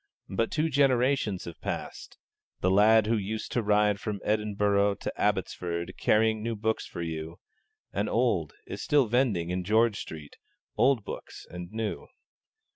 But two generations have passed; the lad who used to ride from Edinburgh to Abbotsford, carrying new books for you, and old, is still vending, in George Street, old books and new.